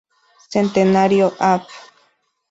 Centenario, Av.